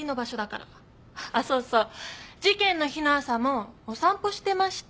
そうそう事件の日の朝もお散歩してました。